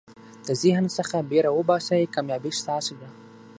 د ذهن څخه بېره وباسئ، کامیابي ستاسي ده.